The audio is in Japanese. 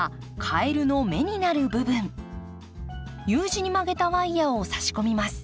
Ｕ字に曲げたワイヤーをさし込みます。